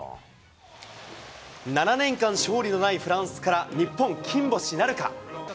７年間勝利のないフランスから日本、金星なるか。